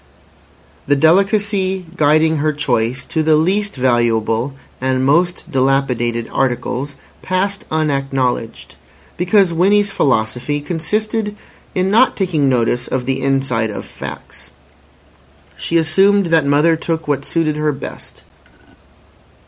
The delicacy guiding her choice to the least valuable and most dilapidated articles passed unacknowledged, because Winnie's philosophy consisted in not taking notice of the inside of facts; she assumed that mother took what suited her best.